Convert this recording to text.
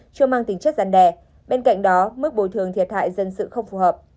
chưa mang tính chất gián đẻ bên cạnh đó mức bồi thường thiệt hại dân sự không phù hợp